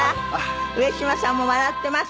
上島さんも笑っています。